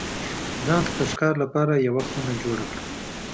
ځان ته د ښکار لپاره یوه خونه جوړه کړه.